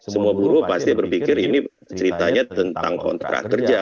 semua buruh pasti berpikir ini ceritanya tentang kontrak kerja